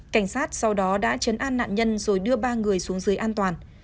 cảnh sát sau đó đã chấn an nạn nhân rồi đưa ba người xuống dưới an toàn